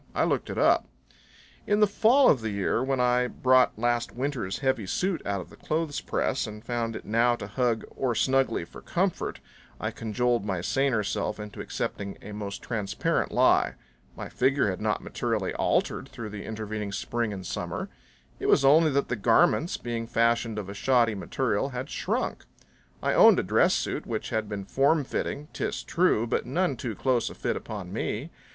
I looked it up. In the fall of the year, when I brought last winter's heavy suit out of the clothes press and found it now to hug o'ersnugly for comfort, I cajoled my saner self into accepting a most transparent lie my figure had not materially altered through the intervening spring and summer; it was only that the garments, being fashioned of a shoddy material, had shrunk. I owned a dress suit which had been form fitting, 'tis true, but none too close a fit upon me.